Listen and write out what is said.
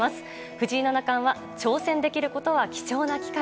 藤井七冠は挑戦できることは貴重な機会。